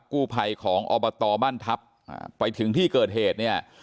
กู้ภัยของอบตบ้านทัพไปถึงที่เกิดเหตุเนี่ย